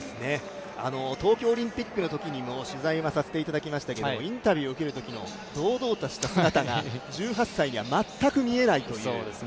東京オリンピックのときにも取材させていただきましたけれども、インタビューを受けるときの堂々とした姿が１８歳には全く見えないという。